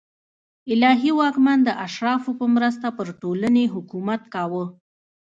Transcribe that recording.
الهي واکمن د اشرافو په مرسته پر ټولنې حکومت کاوه